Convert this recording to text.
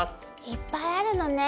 いっぱいあるのね。